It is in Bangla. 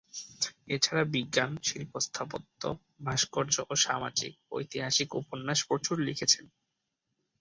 এছাড়া বিজ্ঞান, শিল্প স্থাপত্য ভাস্কর্য ও সামাজিক, ঐতিহাসিক উপন্যাস প্রচুর লিখেছেন।